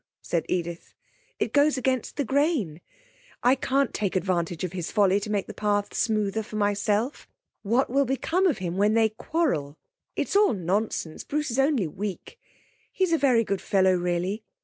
said Edith. 'It goes against the grain. I can't take advantage of his folly to make the path smoother for myself. What will become of him when they quarrel! It's all nonsense. Bruce is only weak. He's a very good fellow, really.